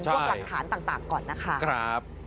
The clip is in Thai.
พวกหลักฐานต่างก่อนนะคะ